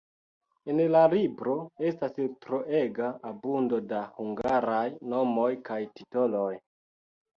En la libro estas troega abundo da hungaraj nomoj kaj titoloj.